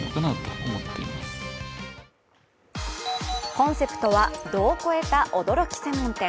コンセプトは、ドを超えたおドろき専門店。